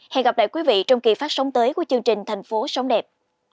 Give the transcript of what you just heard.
hẹn gặp lại quý vị trong kỳ phát sóng tới của chương trình thành phố sống đẹp